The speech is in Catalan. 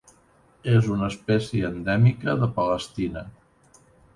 És una espècie endèmica de Palestina.